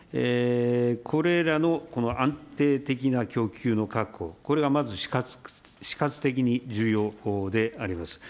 これらの安定的な供給の確保、これがまず死活的に重要であります。